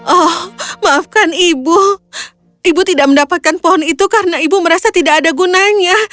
oh maafkan ibu ibu tidak mendapatkan pohon itu karena ibu merasa tidak ada gunanya